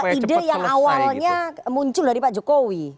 ide yang awalnya muncul dari pak jokowi